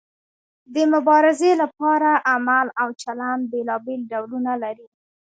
د مبارزې لپاره عمل او چلند بیلابیل ډولونه لري.